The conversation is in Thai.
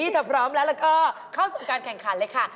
ถ้าพร้อมแล้วแล้วก็เข้าสู่การแข่งขันเลยค่ะ